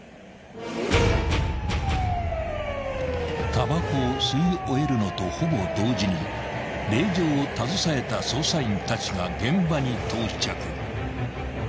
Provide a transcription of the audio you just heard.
［たばこを吸い終えるのとほぼ同時に令状を携えた捜査員たちが現場に到着］